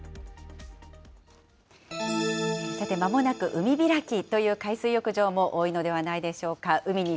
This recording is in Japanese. さて、まもなく海開きという海水浴場も多いのではないでしょうか。